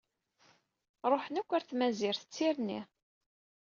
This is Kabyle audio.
Ṛuḥen akk ar tmazirt d tirni.